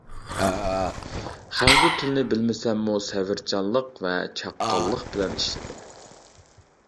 خەنزۇ تىلىنى بىلمىسەممۇ سەۋرچانلىق ۋە چاققانلىق بىلەن ئىشلىدىم.